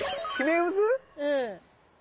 うん。